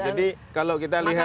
jadi kalau kita lihat